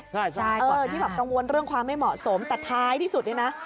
ใช่เออที่แบบกังวลเรื่องความไม่เหมาะสมแต่ท้ายที่สุดเนี่ยนะ